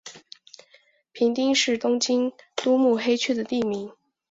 平町是东京都目黑区的地名。